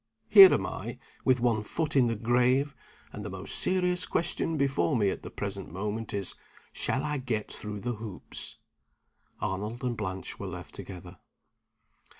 Here am I, with one foot in the grave; and the most serious question before me at the present moment is, Shall I get through the Hoops?" Arnold and Blanche were left together.